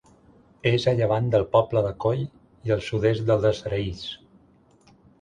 És a llevant del poble de Cóll i al sud-est del de Saraís.